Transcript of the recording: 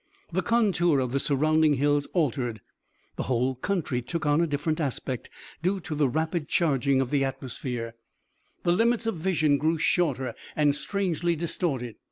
The contour of the surrounding hills altered, the whole country took on a different aspect, due to the rapid charging of the atmosphere, the limits of vision grew shorter and strangely distorted.